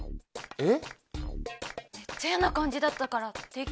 えっ？